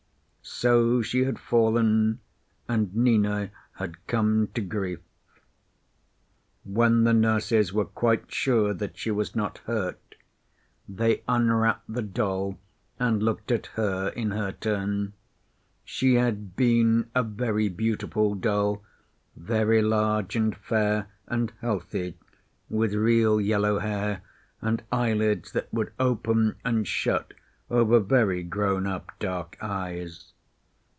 So she had fallen, and Nina had come to grief. When the nurses were quite sure that she was not hurt, they unwrapped the doll and looked at her in her turn. She had been a very beautiful doll, very large, and fair, and healthy, with real yellow hair, and eyelids that would open and shut over very grown up dark eyes.